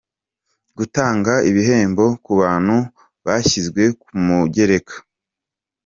Gutanga ibihembo ku bantu bashyizwe ku mugereka.